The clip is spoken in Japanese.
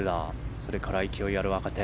それから勢いある若手。